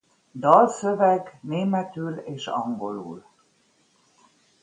Dalszöveg németül és angolul